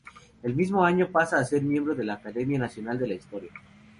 El mismo año pasa a ser miembro de la Academia Nacional de la Historia.